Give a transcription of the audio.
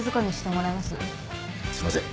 すいません。